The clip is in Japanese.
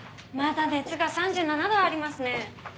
まだ熱が３７度ありますね。